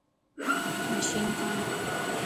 مشين کڻ